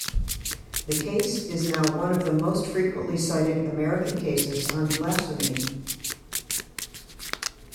The case is now one of the most frequently cited American cases on blasphemy.